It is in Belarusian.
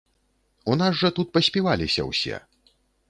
У нас жа тут паспіваліся ўсе.